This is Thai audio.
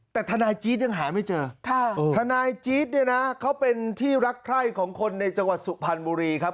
แต่ทนายจี๊ดยังหาไม่เจอทนายจี๊ดเนี่ยนะเขาเป็นที่รักใคร่ของคนในจังหวัดสุพรรณบุรีครับ